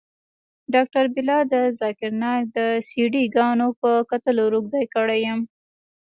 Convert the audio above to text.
ډاکتر بلال د ذاکر نايک د سي ډي ګانو په کتلو روږدى کړى وم.